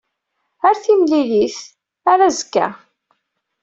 Ar timlilit. Ar azekka.